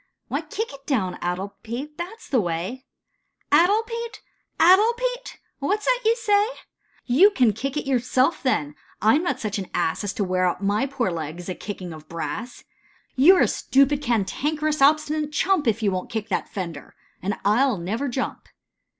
" Why, kick it down, addlepate, that is the way." " 'Addlepate, addlepate,' what 's that you say ?"" You can kick it yourself then, I 'm not such an ass, As to wear out my poor legs, a kickin' of brass." "You're a stupid, cantankerous, obstinate chump If you won't kick that fender, and I 11 never jump."